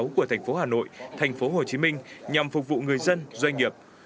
của thành phố hà nội thành phố hồ chí minh nhằm phục vụ người dân doanh nghiệp